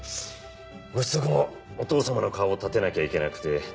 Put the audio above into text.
ご子息もお父さまの顔を立てなきゃいけなくて大変だ。